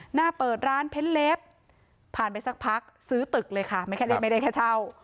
หน้าเปิดร้านเพ้นเล็บผ่านไปสักพักซื้อตึกเลยค่ะไม่ได้แค่เช่า